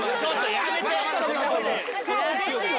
やめてよ！